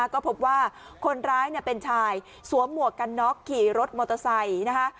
ก็พบว่าคนร้ายเป็นชายสวมหมวกกันน็อกขี่รถมอเตอร์ไซค์นะคะ